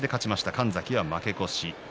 神崎が負け越し。